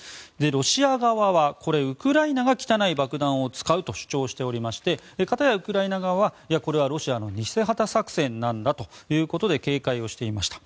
ロシア側はこれ、ウクライナが汚い爆弾を使うと主張しておりまして片や、ウクライナ側はこれはロシアの偽旗作戦なんだと警戒をしていました。